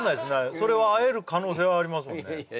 それは会える可能性はありますもんね